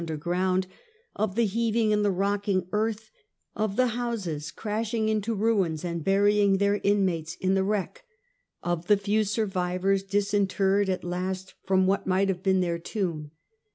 97 117 45 Trajan, ground, of the heaving and the rocking earth, of the houses crashing into ruins and burying their inmates in the wreck, of the few survivors disinterred at last from what might have been their tomb.